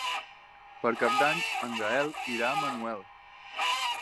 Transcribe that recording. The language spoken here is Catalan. Per Cap d'Any en Gaël irà a Manuel.